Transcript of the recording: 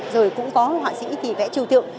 rồi cũng có họa sĩ thì vẽ triều tượng